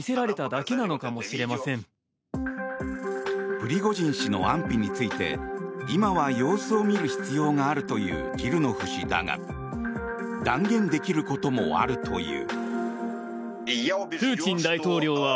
プリゴジン氏の安否について今は様子を見る必要があるというジルノフ氏だが断言できることもあるという。